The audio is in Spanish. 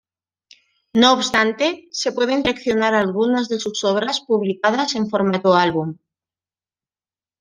No obstante, se pueden seleccionar algunas de sus obras publicadas en formato álbum.